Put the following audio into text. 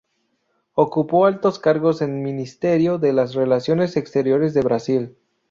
Ocupó altos cargos en Ministerio de las Relaciones Exteriores de Brasil.